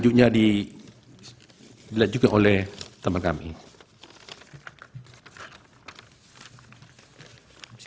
seogianya harus dinyatakan tidak dapat diterima atau need of unfunctly